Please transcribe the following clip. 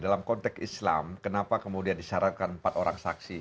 dalam konteks islam kenapa kemudian disyaratkan empat orang saksi